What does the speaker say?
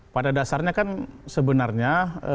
pada dasarnya kan sebenarnya